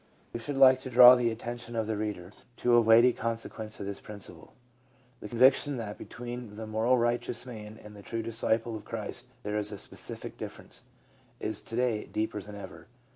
We should like to draw the attention of the reader to a weighty conse quence of this principle. The conviction that between the morally righteous man and the true disciple of Christ there is a specific difference, is to day deeper than ever.